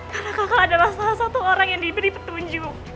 karena kakak adalah salah satu orang yang diberi petunjuk